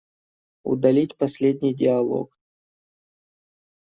Удалить последний диалог.